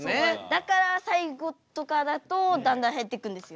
だから最後とかだとだんだん減ってくるんですよ。